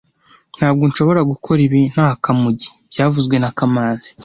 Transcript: Ntabwo nshobora gukora ibi nta Kamugi byavuzwe na kamanzi